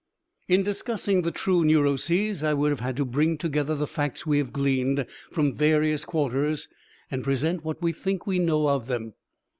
In discussing the true neuroses I would have had to bring together the facts we have gleaned from various quarters and present what we think we know of them.